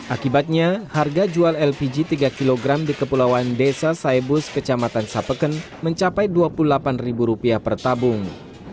akibatnya harga jual lpg tiga kg di kepulauan desa saibus kecamatan sapeken mencapai rp dua puluh delapan per tabung